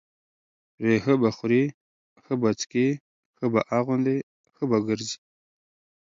پرې ښه به خوري، ښه به څکي ښه به اغوندي، ښه به ګرځي،